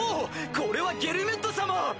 これはゲルミュッド様！